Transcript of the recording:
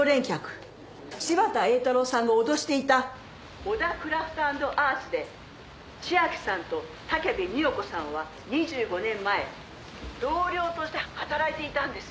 柴田英太郎さんの脅していた小田クラフト＆アーツで千晶さんと武部美代子さんは２５年前同僚として働いていたんです。